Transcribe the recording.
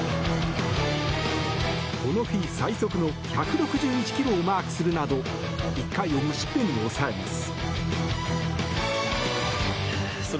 この日、最速の１６１キロをマークするなど１回を無失点に抑えます。